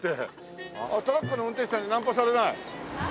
トラックの運転手さんにナンパされない？